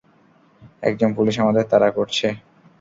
একজন পুলিশ আমাদের তাড়া করছে।